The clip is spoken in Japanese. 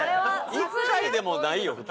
１回でもないよ普通。